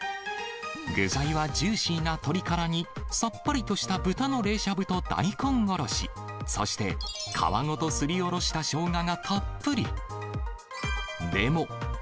具材はジューシーな鶏からに、さっぱりとした豚の冷しゃぶと大根おろし、そして、皮ごとすりおろしたショウガがたっぷり。